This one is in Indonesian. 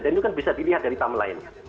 dan itu kan bisa dilihat dari timeline